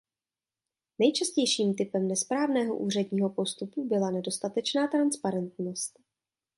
Nejčastějším typem nesprávného úředního postupu byla nedostatečná transparentnost.